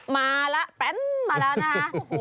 มาแล้วแป้นมาแล้วนะคะ